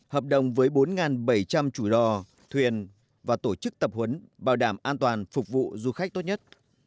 hợp đồng với bốn bảy trăm linh chủ lò thuyền và tổ chức tập huấn bảo đảm an toàn phục vụ du khách tốt nhất